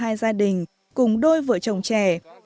hai gia đình cùng đôi vợ chồng trẻ